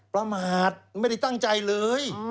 ประมาทไม่ได้ตั้งใจเลย